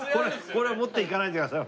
これは持っていかないでください。